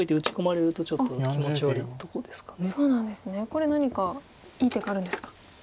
これ何かいい手があるんですか。